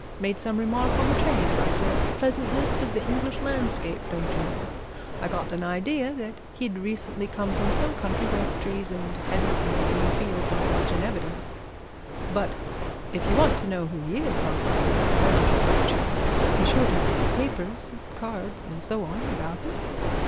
Made some remark in the train about the pleasantness of the English landscape, don't you know? I got an idea that he'd recently come from some country where trees and hedges and green fields aren't much in evidence. But if you want to know who he is, officer, why don't you search him? He's sure to have papers, cards, and so on about him."